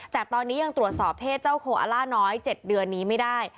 แต่ตอนนี้ยังตรวจสอบเพศเจ้าโคอล่าน้อย๗เดือนนี้ไม่ได้